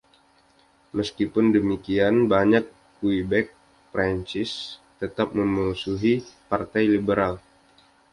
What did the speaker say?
Meskipun demikian, banyak Quebec Prancis tetap memusuhi Partai Liberal.